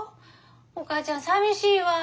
お母ちゃんさみしいわ。